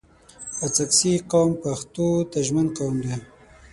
اڅګزي قوم پښتو ته ژمن قوم دی